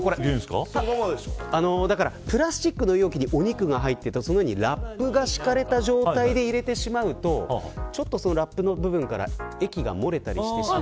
プラスチックの容器に肉が入っていてその上にラップが敷かれた状態で入れてしまうとラップの部分から液が漏れたりしてしまい。